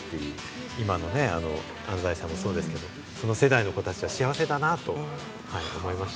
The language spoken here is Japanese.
今の安斉さんもそうですけれども、その世代の子たちが幸せだなと感じました。